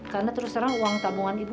karena terus terang uang tamungan ibu